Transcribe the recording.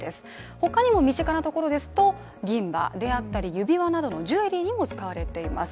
他にも身近なところですと銀歯であったり指輪などのジュエリーにも使われています。